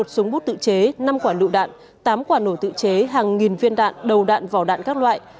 một súng bút tự chế năm quả lựu đạn tám quả nổ tự chế hàng nghìn viên đạn đầu đạn vỏ đạn các loại